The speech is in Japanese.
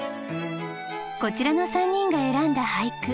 こちらの３人が選んだ俳句。